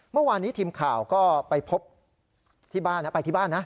เมื่อวานนี้ทีมข่าวก็ไปพบที่บ้านนะไปที่บ้านนะ